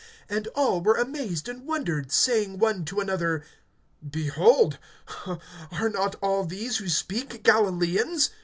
(7)And all were amazed, and wondered, saying one to another Behold, are not all these who speak Galilaeans?